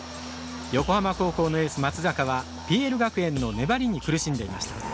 横浜高校のエース・松坂はＰＬ学園の粘りに苦しんでいました。